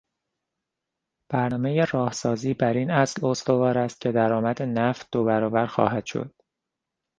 برنامهی راهسازی براین اصل استوار است که درآمد نفت دوبرابر خواهد شد.